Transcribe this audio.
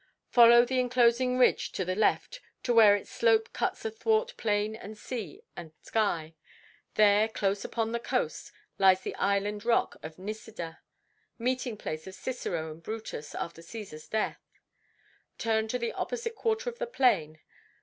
Follow the enclosing ridge to the left, to where its slope cuts athwart plain and sea and sky; there close upon the coast lies the island rock of Nisida, meeting place of Cicero and Brutus after Caesar's death. Turn to the opposite quarter of the plain.